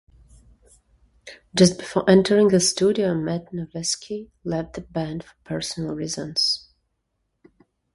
Just before entering the studio Matt Noveskey left the band for personal reasons.